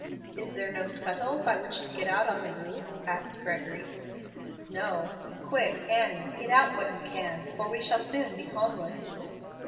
"Is there no scuttle by which to get out on the roof?" asked Gregory. "No. Quick, Annie, get out what you can, for we shall soon be homeless."